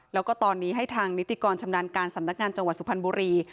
แล้วก็ตอนนี้ให้ทางนิติกรชำนาญการสำนักงานจังหวัดสุพรรณบุรี